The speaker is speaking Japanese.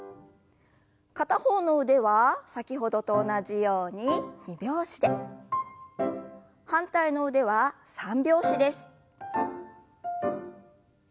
片方の腕は先ほどと同じように二拍子で反対の腕は三拍子です。